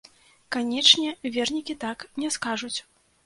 Канечне, вернікі так не скажуць.